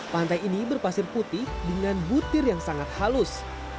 pantai ini berpasir putih dengan butir yang sangat halus